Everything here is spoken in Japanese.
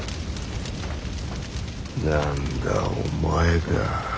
何だお前か。